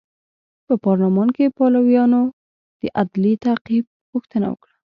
په پارلمان کې پلویانو د عدلي تعقیب غوښتنه وکړه.